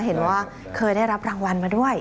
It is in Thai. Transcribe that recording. เห็นว่าเคยได้รับรางวัลมาด้วย